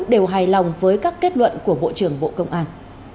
đều hài lòng với các kết luận của bộ trưởng bộ công an